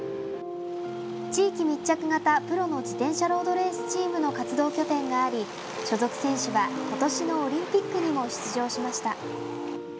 地域密着型、プロの自転車ロードレースチームの活動拠点があり、所属選手はことしのオリンピックにも出場しました。